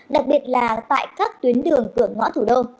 đặc biệt là tại các tuyến đường cửa ngõ thủ đô